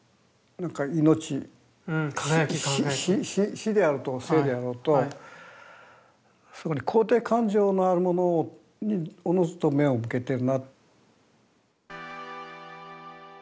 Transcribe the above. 死であろうと生であろうとそこに肯定感情のあるものにおのずと目を向けてるな。